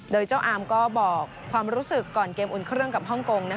โดยเจ้าอามก็บอกความรู้สึกก่อนเกมอุ่นเครื่องกับฮ่องกง